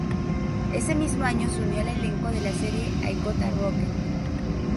Ese mismo año se unió al elenco de la serie "I Got a Rocket!